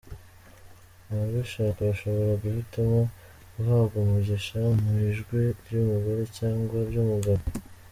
Ababishaka bashobora guhitamo guhabwa umugisha mu ijwi ry’umugore cyangwa ry’umugabo.